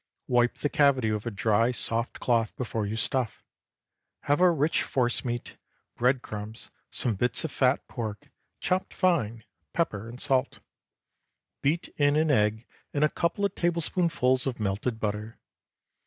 Wipe the cavity with a dry soft cloth before you stuff. Have a rich force meat, bread crumbs, some bits of fat pork, chopped fine, pepper, and salt. Beat in an egg and a couple of tablespoonfuls of melted butter.